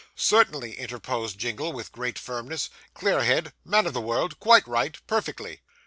'Certainly,' interposed Jingle, with great firmness. 'Clear head man of the world quite right perfectly.